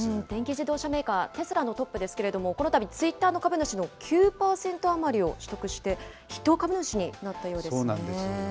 電気自動車メーカー、テスラのトップですけれども、このたびツイッターの株主の９％余りを取得して、筆頭株主になっそうですよ。